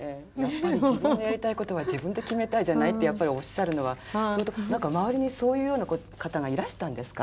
自分のやりたいことは自分で決めたいじゃないってやっぱりおっしゃるのは何か周りにそういうような方がいらしたんですか？